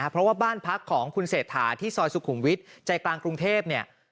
เพราะว่าบ้านพักของคุณเศรษฐาที่ซอยสุขุมวิทย์ใจกลางกรุงเทพเนี่ย